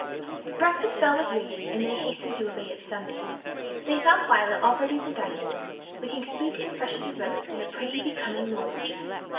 The breakfast bell was ringing, and they hastened to obey its summons. They found Violet already in the dining room, and looking sweet and fresh as a rose, in a pretty, becoming morning dress.